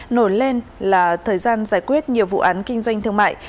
nổi lên là thời gian giải quyết nhiều vụ án kinh doanh thương mại